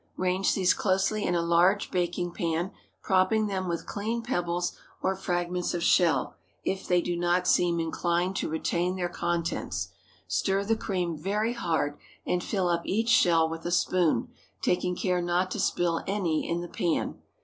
Range these closely in a large baking pan, propping them with clean pebbles or fragments of shell, if they do not seem inclined to retain their contents. Stir the cream very hard and fill up each shell with a spoon, taking care not to spill any in the pan.